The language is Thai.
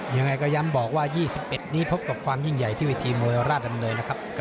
ยังไงก็ย้ำบอกว่า๒๑นี้พบกับความยิ่งใหญ่ที่เวทีมวยราชดำเนินนะครับ